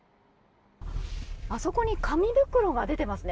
あそこに紙袋が出ていますね。